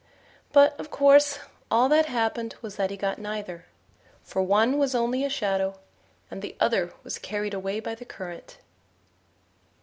But, of course, all that happened was that he got neither; for one was only a shadow, and the other was carried away by the current.